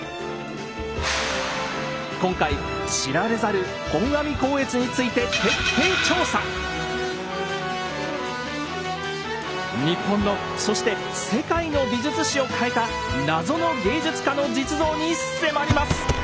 今回知られざる本阿弥光悦について日本のそして世界の美術史を変えた謎の芸術家の実像に迫ります。